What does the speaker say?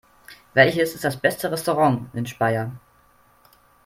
Welches ist das beste Restaurant in Speyer?